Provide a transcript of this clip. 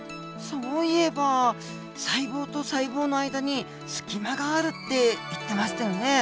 そういえば細胞と細胞の間に隙間があるって言ってましたよね。